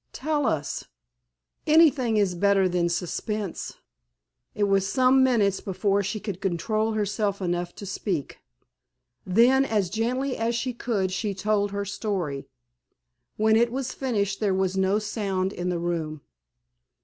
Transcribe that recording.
"Tell us. Anything is better than suspense." It was some minutes before she could control herself enough to speak. Then, as gently as she could, she told her story. When it was finished there was no sound in the room.